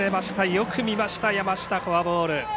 よく見ました山下フォアボール。